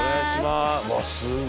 すごい